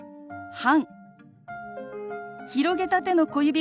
「半」。